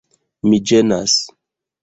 Mi ĝenas.